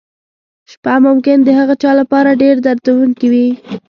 شپه ممکن د هغه چا لپاره ډېره دردونکې وي.